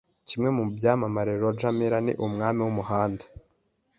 Kimwe mu byamamare Roger Miller ni "Umwami wumuhanda."